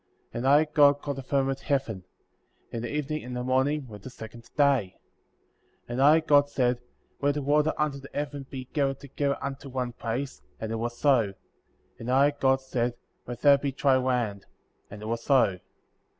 8. And I, God, called the firmament Heaven ; and the evening and the morning were the second day. 9. And I, God, said: Let the water under the heaven be gathered together unto one place, and it was so; and I, God, said: Let there be dry land; and it was so.